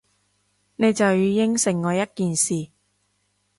你就要應承我一件事